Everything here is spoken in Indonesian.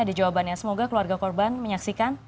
ada jawabannya semoga keluarga korban menyaksikan